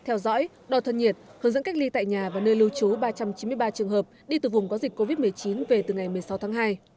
theo dõi đo thân nhiệt hướng dẫn cách ly tại nhà và nơi lưu trú ba trăm chín mươi ba trường hợp đi từ vùng có dịch covid một mươi chín về từ ngày một mươi sáu tháng hai